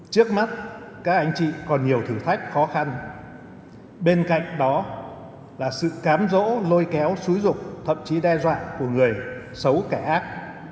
trước mắt các anh chị còn nhiều thử thách khó khăn bên cạnh đó là sự cám rỗ lôi kéo xúi rục thậm chí đe dọa của người xấu kẻ ác